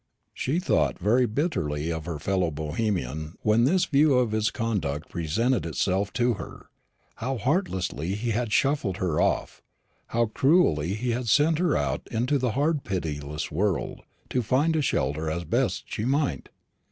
She thought very bitterly of her fellow Bohemian when this view of his conduct presented itself to her; how heartlessly he had shuffled her off, how cruelly he had sent her out into the hard pitiless world, to find a shelter as best she might!